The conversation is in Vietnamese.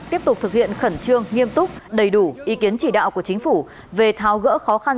tiếp tục thực hiện khẩn trương nghiêm túc đầy đủ ý kiến chỉ đạo của chính phủ về tháo gỡ khó khăn